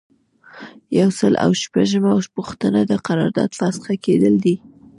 یو سل او شپږمه پوښتنه د قرارداد فسخه کیدل دي.